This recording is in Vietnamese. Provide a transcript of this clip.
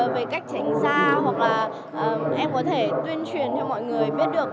về cách tránh xa hoặc là em có thể tuyên truyền cho mọi người biết được